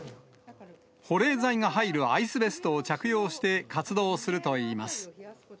保冷剤が入るアイスベストを着用して活動するといいます。